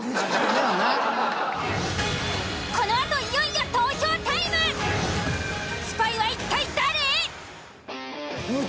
このあといよいよスパイは一体誰！？